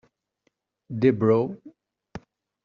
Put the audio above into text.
The Bro.